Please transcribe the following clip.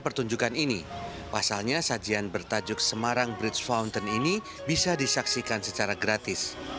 pertunjukan ini pasalnya sajian bertajuk semarang bridge fountain ini bisa disaksikan secara gratis